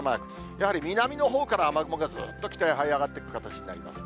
やはり南のほうから雲が北へはい上がっていく形になります。